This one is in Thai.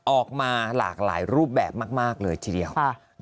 ออกมาหลากหลายรูปแบบมากเลยทีเดียว